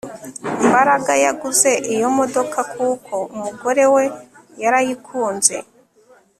Mbaraga yaguze iyo modoka kuko umugore we yarayikunze